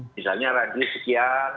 misalnya ragi sekian